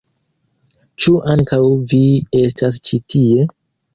Ĉu ankaŭ vi estas ĉi tie?